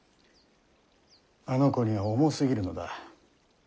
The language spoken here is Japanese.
あの子には重すぎるのだ。